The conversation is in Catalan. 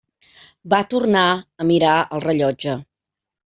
Va tornar a mirar el rellotge.